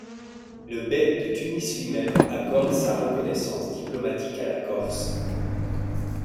Le Bey de Tunis lui-même accorde sa reconnaissance diplomatique à la Corse.